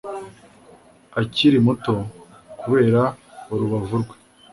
akiri muto kubera urubavu rwe